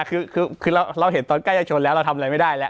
คือเราเห็นตอนใกล้จะชนแล้วเราทำอะไรไม่ได้แล้ว